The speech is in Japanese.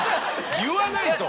言わないと！